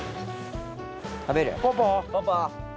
食べる？